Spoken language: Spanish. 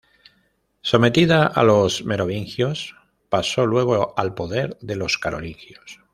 Sometida a los merovingios, pasó luego al poder de los carolingios.